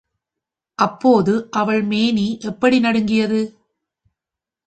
அப்போது, அவள் மேனி எப்படி நடுங்கியது!